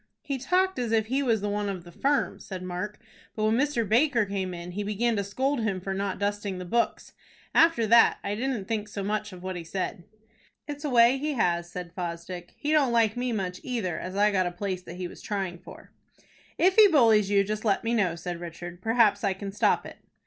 "He talked as if he was one of the firm," said Mark; "but when Mr. Baker came in, he began to scold him for not dusting the books. After that I didn't think so much of what he said." "It's a way he has," said Fosdick. "He don't like me much either, as I got a place that he was trying for." "If he bullies you, just let me know," said Richard. "Perhaps I can stop it."